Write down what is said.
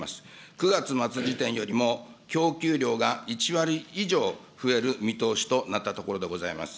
９月末時点よりも、供給量が１割以上増える見通しとなったところでございます。